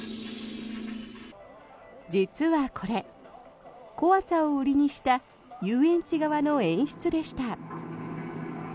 実はこれ、怖さを売りにした遊園地側の演出でした。